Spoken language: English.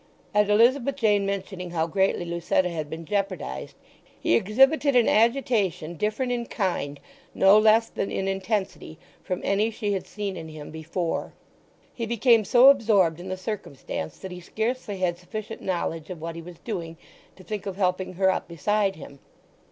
At Elizabeth Jane mentioning how greatly Lucetta had been jeopardized, he exhibited an agitation different in kind no less than in intensity from any she had seen in him before. He became so absorbed in the circumstance that he scarcely had sufficient knowledge of what he was doing to think of helping her up beside him.